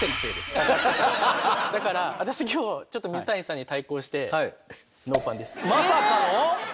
だから私今日ちょっと水谷さんに対抗してまさかの！